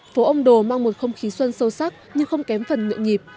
phố âm đồ mang một không khí xuân sâu sắc nhưng không kém phần ngợi nhịp